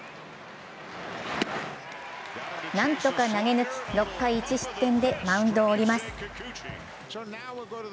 何とか投げ抜き６回１失点でマウンドを降ります。